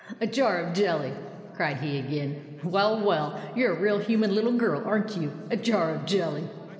A jar of jelly!" cried he again. " Well, well, you 're a real human little girl, aren't you! A jar of jelly!"